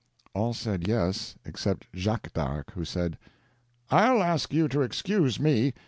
All said yes, except Jacques d'Arc, who said: "I'll ask you to excuse me.